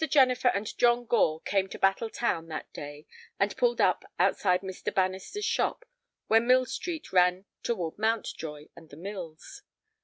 Jennifer and John Gore came to Battle Town that day and pulled up outside Mr. Bannister's shop, where Mill Street ran toward Mountjoy and The Mills.